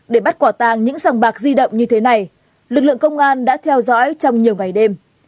để bắt quả tàng những sòng bạc di động như thế này lực lượng công an đã theo dõi trong nhiều ngày đêm